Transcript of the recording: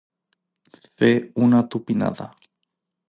Fer una tupinada.